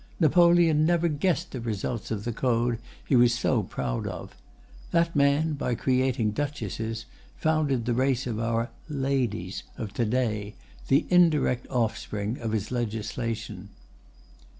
Napoleon never guessed the results of the Code he was so proud of. That man, by creating duchesses, founded the race of our 'ladies' of to day—the indirect offspring of his legislation."